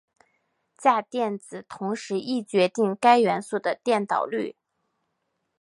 价电子同时亦决定该元素的电导率。